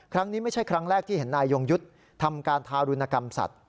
ครั้งนี้ไม่ใช่ครั้งแรกที่เห็นนายยงยุทธ์ทำการทารุณกรรมสัตว